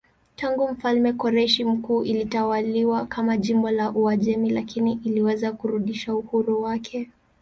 Tangu mfalme Koreshi Mkuu ilitawaliwa kama jimbo la Uajemi lakini iliweza kurudisha uhuru wake.